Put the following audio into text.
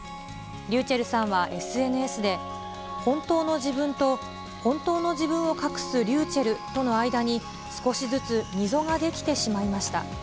ｒｙｕｃｈｅｌｌさんはＳＮＳで、本当の自分と、本当の自分を隠すｒｙｕｃｈｅｌｌとの間に、少しずつ溝が出来てしまいました。